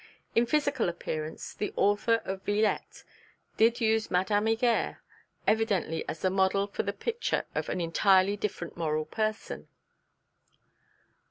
In physical appearance, the author of Villette did use Madame Heger evidently as the model for the picture of an entirely different moral person.